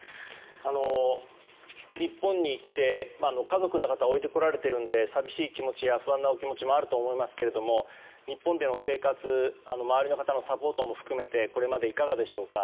日本に来て、家族の方を置いてこられているんで寂しい気持ちや不安なお気持ちもあると思いますけれども日本での生活周りの方のサポートも含めてこれまで、いかがでしょうか。